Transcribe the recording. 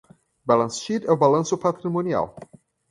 Balance Sheet é o balanço patrimonial.